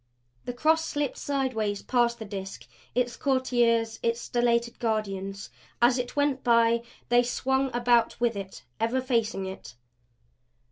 The Cross slipped sidewise past the Disk, its courtiers, its stellated guardians. As it went by they swung about with it; ever facing it.